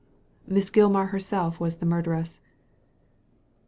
Miss Gilmar herself was the murderess."